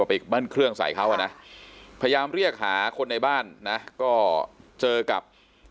พยายามเรียกหาคนในบ้านนะก็เจอกับ